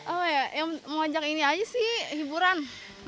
apa ya mau ajak ini aja sih hiburan